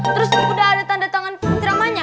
terus udah ada tanda tangan dramanya